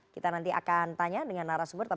kita nanti akan tanya dengan naras bersayang